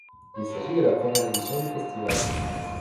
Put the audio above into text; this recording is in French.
Il s'agit de la première édition du festival.